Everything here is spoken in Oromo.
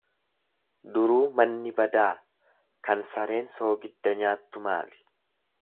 Duruu manni badaa kan sareen soogidda nyaattu maali.